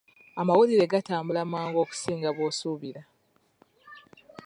Amawulire gatambula mangu okusinga bw'osuubira.